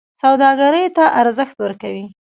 سوداګرۍ ته ارزښت ورکوي.